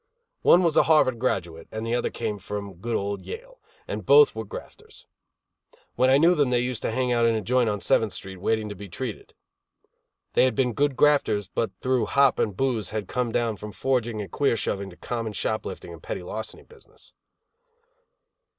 One was a Harvard graduate, and the other came from good old Yale; and both were grafters. When I knew them they used to hang out in a joint on Seventh Street, waiting to be treated. They had been good grafters, but through hop and booze had come down from forging and queer shoving to common shop lifting and petty larceny business.